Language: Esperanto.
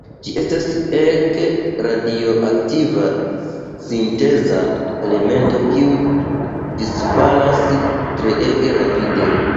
Ĝi estas ege radioaktiva sinteza elemento kiu disfalas treege rapide.